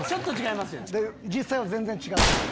実際は全然違ったん？